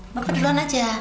bapak duluan aja